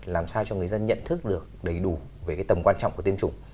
làm sao cho người dân nhận thức được đầy đủ về cái tầm quan trọng của tiêm chủng